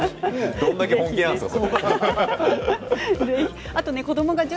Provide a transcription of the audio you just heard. どれだけ本気なんですか。